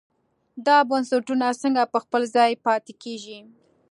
دا بنسټونه څنګه په خپل ځای پاتې کېږي.